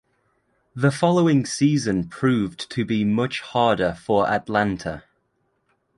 The following season proved to be much harder for Atalanta.